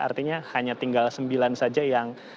artinya hanya tinggal sembilan saja yang